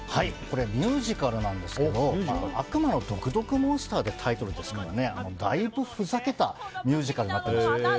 ミュージカルなんですけど「悪魔の毒毒モンスター」っていうタイトルですからだいぶ、ふざけたミュージカルになってます。